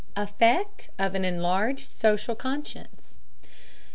EFFECT OF AN ENLARGED SOCIAL CONSCIENCE.